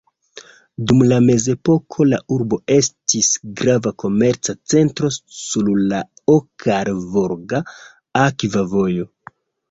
Dum la mezepoko la urbo estis grava komerca centro sur la Okaa-Volga akva vojo.